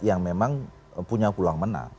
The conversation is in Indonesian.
yang memang punya peluang menang